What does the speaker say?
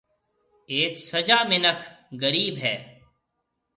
ايٿ سجا مِنک غرِيب هيَ۔